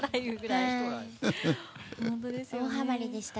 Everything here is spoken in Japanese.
大ハマりでした。